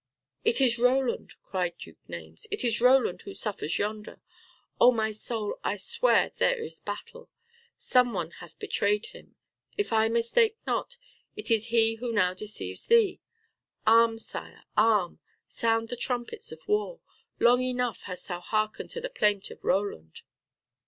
"It is Roland," cried Duke Naimes. "It is Roland who suffers yonder. On my soul, I swear, there is battle. Some one hath betrayed him. If I mistake not, it is he who now deceives thee. Arm, Sire, arm! Sound the trumpets of war. Long enough hast thou hearkened to the plaint of Roland."